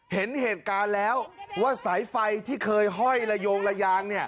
เห็นเหตุการณ์แล้วว่าสายไฟที่เคยห้อยละโยงระยาง